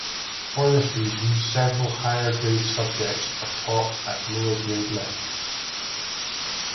For this reason several higher-grade subjects are taught at lower grade levels.